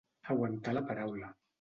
Aguantar la paraula.